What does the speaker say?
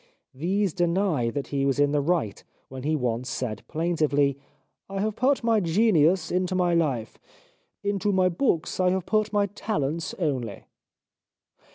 These deny that he was in the right when he once said plaintively :" I have put my genius into my life ; into my books I have put my talents only."